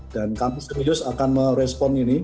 dan kami serius akan merespon ini